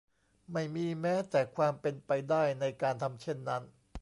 ไม่มีแม้แต่ความเป็นไปได้ในการทำเช่นนั้น